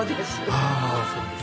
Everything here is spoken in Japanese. ああーそうですか。